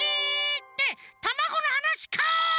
ってたまごのはなしかい！